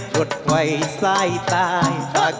รถไฟทรายตาย